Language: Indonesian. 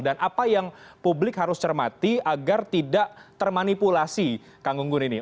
dan apa yang publik harus cermati agar tidak termanipulasi kangunggun ini